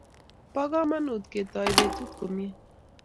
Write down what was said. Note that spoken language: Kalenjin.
po komonut ketoi petut komie